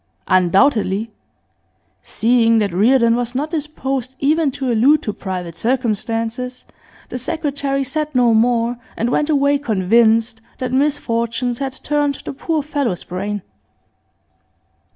'Undoubtedly.' Seeing that Reardon was not disposed even to allude to private circumstances, the secretary said no more, and went away convinced that misfortunes had turned the poor fellow's brain.